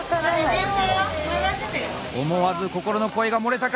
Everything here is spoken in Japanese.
思わず心の声が漏れたか。